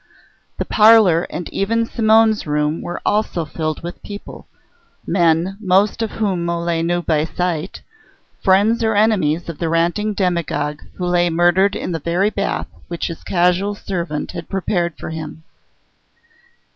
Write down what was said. The parlour and even Simonne's room were also filled with people: men, most of whom Mole knew by sight; friends or enemies of the ranting demagogue who lay murdered in the very bath which his casual servant had prepared for him.